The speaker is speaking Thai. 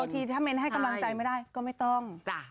ทีถ้าเน้นให้กำลังใจไม่ได้ก็ไม่ต้อง